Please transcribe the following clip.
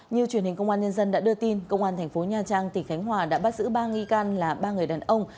như truyền hình công an nhân dân đã đưa tin công an thành phố nha trang tỉnh khánh hòa đã bắt giữ ba nghi can là ba người đàn ông